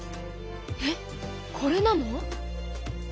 えっこれなの？